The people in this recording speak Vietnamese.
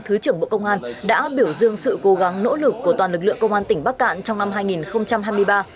thứ trưởng bộ công an đã biểu dương sự cố gắng nỗ lực của toàn lực lượng công an tỉnh bắc cạn trong năm hai nghìn hai mươi ba